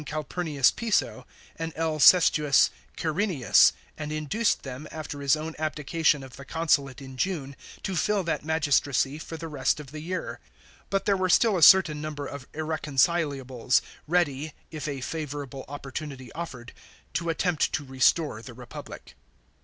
Calpurnius Piso and L. Sestius Quirinus, and induced them, after his own abdication of the consulate in June, to fill that magistracy for the rest of the year. But there were still a certain number of irreconcilables, ready, if a favourable oppor tunity offered, to attempt to restore the Republic.